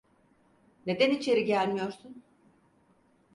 Neden içeri gelmiyorsun?